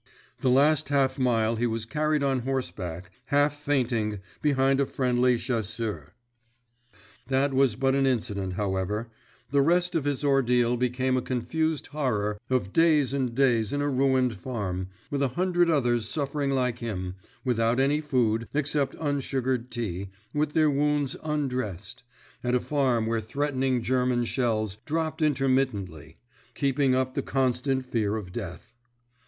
The last half mile he was carried on horseback, half fainting, behind a friendly chasseur. That was but an incident, however—the rest of his ordeal became a confused horror of days and days in a ruined farm, with a hundred others suffering like him, without any food, except unsugared tea, with their wounds undressed—at a farm where threatening German shells dropped intermittently, keeping up the constant fear of death.